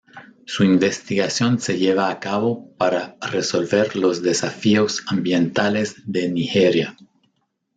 Su investigación se lleva a cabo para resolver los desafíos ambientales de Nigeria.